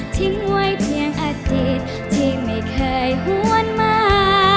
ทิ้งไว้เพียงอาทิตย์ที่ไม่เคยหวนมา